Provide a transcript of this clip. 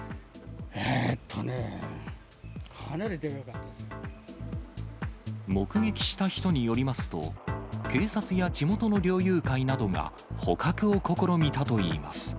えーっとね、目撃した人によりますと、警察や地元の猟友会などが捕獲を試みたといいます。